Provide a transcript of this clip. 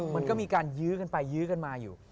มันก็มีการยื้อกันไปยื้อกันมาอยู่